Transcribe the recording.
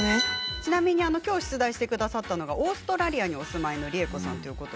ちなみにきょう出題してくださったのがオーストラリアにお住まいの、りえこさん。